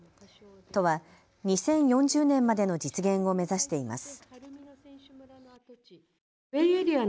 都は２０４０年までの実現を目指しています。